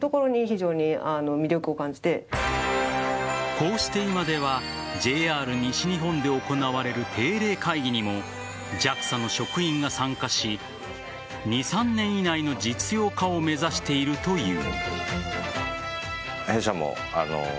こうして、今ではＪＲ西日本で行われる定例会議にもＪＡＸＡの職員が参加し２３年以内の実用化を目指しているという。